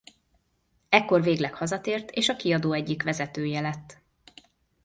Ekkor végleg hazatért és a kiadó egyik vezetője lett.